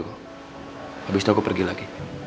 habis itu aku pergi lagi